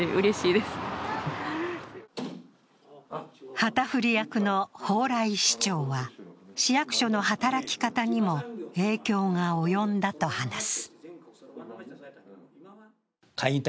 旗振り役の蓬莱市長は、市役所の働き方にも影響が及んだと話す。